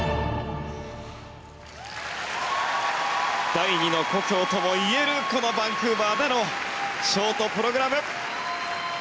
第２の故郷ともいえるこのバンクーバーでのショートプログラム。